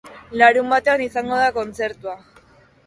Larunbatean izango da kontzertua.